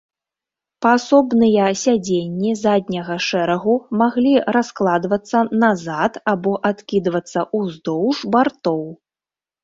Паасобныя сядзенні задняга шэрагу маглі раскладвацца назад або адкідвацца ўздоўж бартоў.